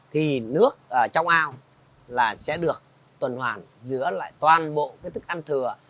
thì nước trong ao là sẽ được tuần hoàn giữa lại toàn bộ cái thức ăn thừa